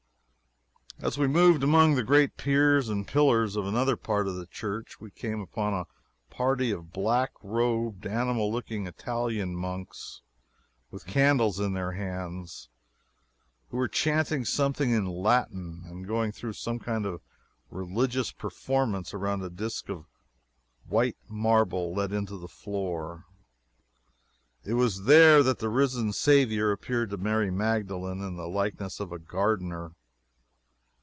As we moved among the great piers and pillars of another part of the church, we came upon a party of black robed, animal looking Italian monks, with candles in their hands, who were chanting something in Latin, and going through some kind of religious performance around a disk of white marble let into the floor. It was there that the risen Saviour appeared to Mary Magdalen in the likeness of a gardener.